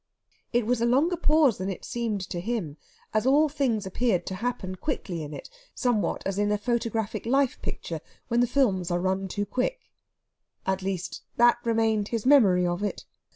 It was a longer pause than it seemed to him, as all things appeared to happen quickly in it, somewhat as in a photographic life picture when the films are run too quick. At least, that remained his memory of it.